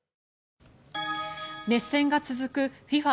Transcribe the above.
熱戦が続くＦＩＦＡ